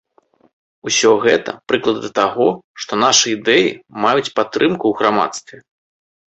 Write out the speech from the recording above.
Усё гэта прыклады таго, што нашы ідэі маюць падтрымку ў грамадстве.